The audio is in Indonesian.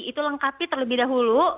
itu lengkapi terlebih dahulu